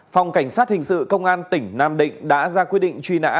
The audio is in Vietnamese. phòng cảnh sát hình sự công an tỉnh nam định đã ra quyết định truy nã